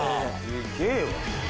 すげえわ。